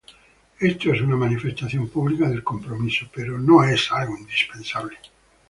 Esto es una manifestación pública del compromiso pero no es algo indispensable.